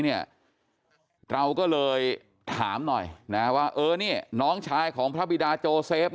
เราก็เลยถามหน่อยว่าน้องชายของพระบิดาโจเซฟ